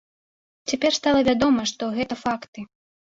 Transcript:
Цяпер стала вядома, што гэта факты.